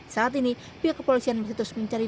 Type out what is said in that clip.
saat ini pihak kepolisian mencetus pencari